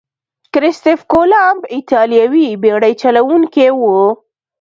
کرستف کولمب ایتالوي بیړۍ چلوونکی وو.